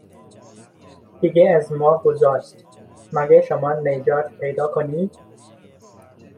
دیگه از ما گذشت مگه شما نجات پیدا کنین